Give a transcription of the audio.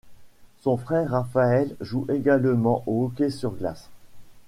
Son frère Raphaël joue également au hockey sur glace.